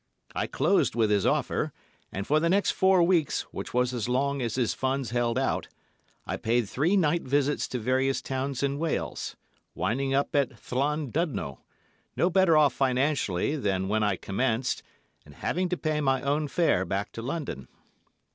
I closed with his offer, and for the next four weeks, which was as long as his funds held out, I paid three night visits to various towns in Wales, winding up at Llandudno, no better off financially than when I commenced, and having to pay my own fare back to London.